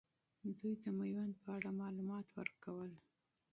دوي د میوند په اړه معلومات ورکول.